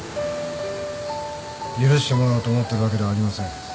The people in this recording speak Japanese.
許してもらおうと思ってるわけではありません。